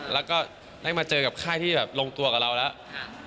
แล้วก็ได้มาเจอกับค่ายที่แบบลงตัวกับเราแล้ว